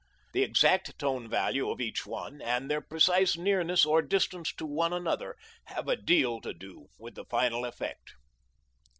The exact tone value of each one and their precise nearness or distance to one another have a deal to do with the final effect.